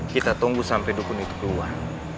kita tunggu sampai dukun itu keluar